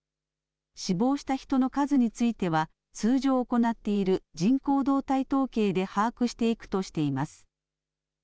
死亡した人の数については、通常行っている人口動態統計で把握していくとしています。